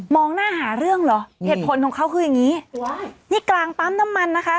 หน้าหาเรื่องเหรอเหตุผลของเขาคืออย่างงี้นี่กลางปั๊มน้ำมันนะคะ